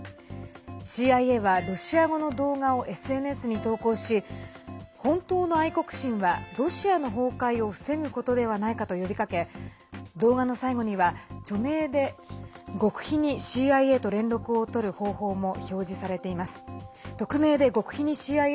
ＣＩＡはロシア語の動画をＳＮＳに投稿し本当の愛国心はロシアの崩壊を防ぐことではないかと呼びかけ動画の最後には、匿名で極秘にＣＩＡと連絡を取る方法も表示されています。